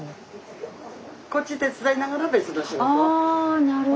あなるほど。